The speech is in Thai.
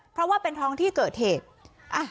เพราะว่าเป็นท้องที่เกิดเหตุ